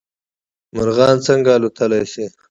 مرغان څنګه الوتلی شي؟